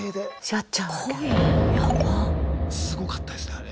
すごかったですねあれ。